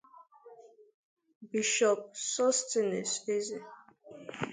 Bishọọpụ Sosthenes Eze